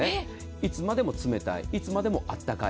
いつまでも冷たいいつまでも温かい。